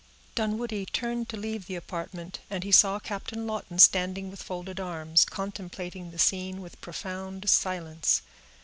Dunwoodie turned to leave the apartment, and he saw Captain Lawton standing with folded arms, contemplating the scene with profound silence.